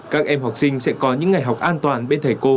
các em học sinh sẽ có những ngày học an toàn bên thầy cô bạn bè